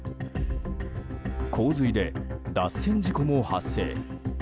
洪水で脱線事故も発生。